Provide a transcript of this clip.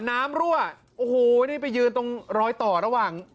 รั่วโอ้โหนี่ไปยืนตรงรอยต่อระหว่าง